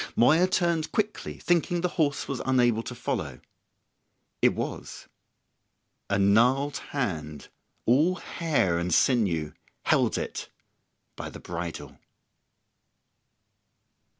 Moya turned quickly, thinking the horse was unable to follow. It was. A gnarled hand, all hair and sinew, held it by the bridle.